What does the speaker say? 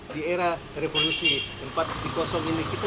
di era revolusi empat ini kita tidak lagi berpikir yang demikian